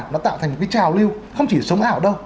nó tạo thành một cái trào lưu không chỉ sống ảo đâu